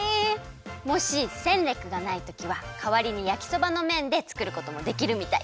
もしセンレックがないときはかわりにやきそばのめんでつくることもできるみたい。